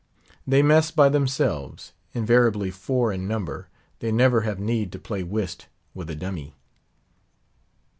They mess by themselves. Invariably four in number, they never have need to play whist with a dummy.